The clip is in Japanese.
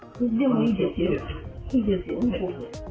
いいですよ。